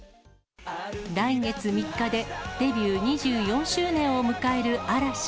来月３日でデビュー２４周年を迎える嵐。